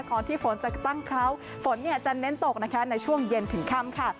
ที่ฝนจะตั้งเขาฝนจะเน้นตกนะคะในช่วงเย็นถึงค่ำค่ะ